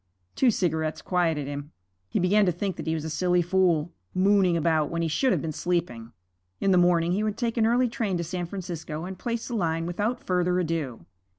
Two cigarettes quieted him. He began to think that he was a silly fool, mooning about when he should have been sleeping. In the morning he would take an early train to San Francisco and place the line without further ado.